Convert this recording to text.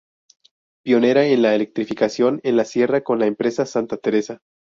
Pionera en la electrificación en la Sierra con la empresa Santa Teresa.